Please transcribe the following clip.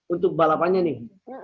untuk balapannya nih